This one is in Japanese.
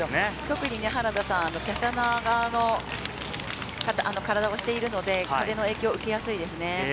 特に原田さん、華奢な体をしているので、風の影響を受けやすいですね。